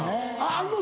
あんの？